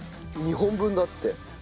２本分だって。